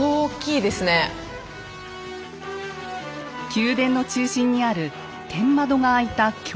宮殿の中心にある天窓が開いた巨大なホール。